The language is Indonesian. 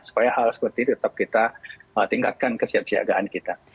supaya hal seperti ini tetap kita tingkatkan kesiapsiagaan kita